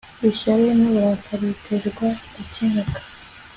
ishyari n'uburakari bitera gukenyuka